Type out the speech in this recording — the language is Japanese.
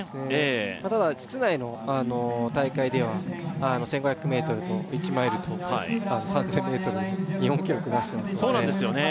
ただ室内の大会では１５００ｍと１マイルと３０００ｍ日本記録出してますのでそうなんですよね